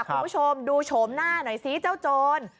คุณผู้ชมดูโฉมหน้าหน่อยซิเจ้าโจร